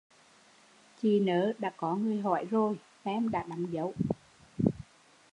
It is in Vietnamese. Chị nớ đã có người hỏi rồi, tem đã đóng dấu!